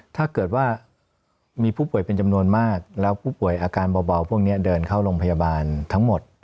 ถ้าเกิดว่ามีผู้ป่วยเป็นจำนวนมากแล้วผู้ป่วยอาการเบาพวกนี้เดินเข้าโรงพยาบาลทั้งหมด